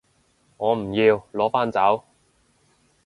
我唔要，攞返走